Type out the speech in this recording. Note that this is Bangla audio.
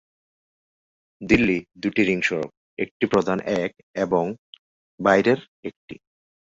দিল্লি দুটি রিং সড়ক, একটি প্রধান এক এবং বাইরের একটি।